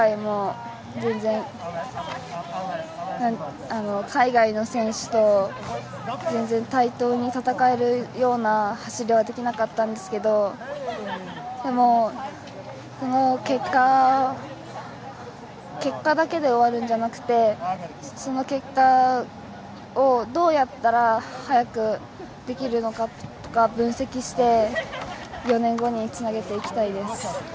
今回も全然、海外の選手と対等に戦えるような走りはできなかったんですけどでも、結果だけで終わるんじゃなくてその結果をどうやったら速くできるかのかとか分析して４年後につなげていきたいです。